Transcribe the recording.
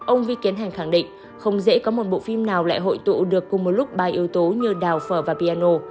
ông vi kiến hành khẳng định không dễ có một bộ phim nào lại hội tụ được cùng một lúc ba yếu tố như đào phở và piano